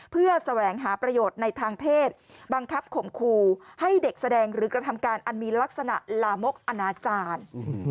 เพื่อแสวงหาประโยชน์ในทางเพศบังคับข่มครูให้เด็กแสดงหรือกระทำการอันมีลักษณะลามกอนาจารย์